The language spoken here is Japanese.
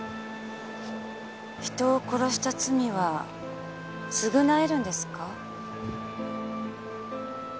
人を殺した罪は償えるんですか？